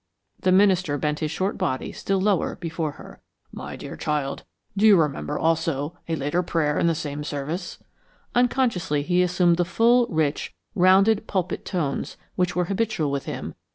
The minister bent his short body still lower before her. "My dear child, do you remember, also, a later prayer in the same service?" unconsciously he assumed the full rich, rounded, pulpit tones, which were habitual with him.